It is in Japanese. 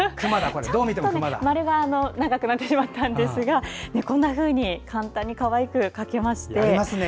丸が長くなってしまったんですがこんなふうに簡単にかわいく描けまして。